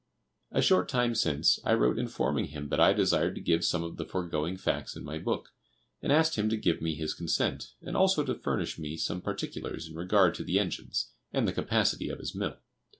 A short time since, I wrote informing him that I desired to give some of the foregoing facts in my book, and asked him to give me his consent, and also to furnish me some particulars in regard to the engines, and the capacity of his mill.